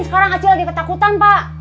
sekarang kecil lagi ketakutan pak